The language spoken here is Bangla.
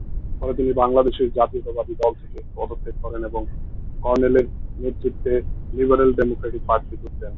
পরে তিনি বাংলাদেশ জাতীয়তাবাদী দল থেকে পদত্যাগ করেন এবং কর্নেলের নেতৃত্বে লিবারেল ডেমোক্র্যাটিক পার্টিতে যোগ দেন।